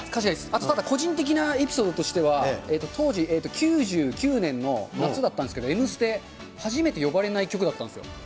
あと個人的なエピソードとしては、当時、９９年の夏だったんですけど、Ｍステ、初めて呼ばれない曲だったんですよ。